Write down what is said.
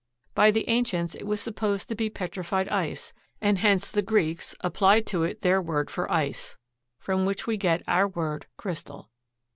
By the ancients it was supposed to be petrified ice, and hence the Greeks applied to it their word for ice, from which we get our word crystal.